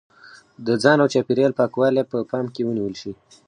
د ځان او چاپېریال پاکوالی په پام کې ونیول شي.